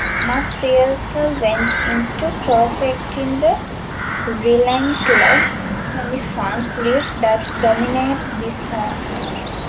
Much rehearsal went into perfecting the relentless semi-funk riff that dominates this song.